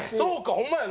ホンマやな。